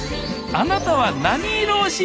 あなたは何色推し⁉